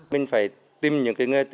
mình phải tìm những cái nghề